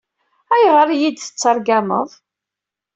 Ayɣer i yi-d-tettargameḍ?